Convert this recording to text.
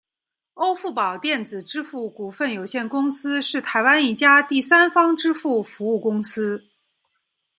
欧付宝电子支付股份有限公司是台湾一家第三方支付服务公司。